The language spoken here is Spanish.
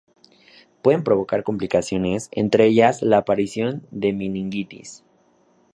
Puede provocar complicaciones, entre ellas la aparición de meningitis.